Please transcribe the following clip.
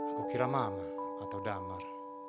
aku kira mama atau damar